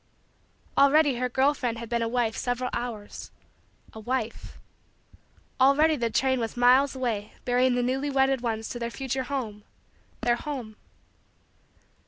Already her girl friend had been a wife several hours a wife. Already the train was miles away bearing the newly wedded ones to their future home their home.